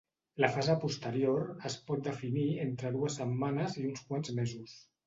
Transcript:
La fase posterior es pot definir entre dues setmanes i uns quants mesos.